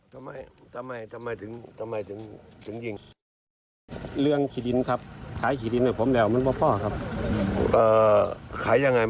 ทำไมทำไมถึงทำไมถึงถึงยิง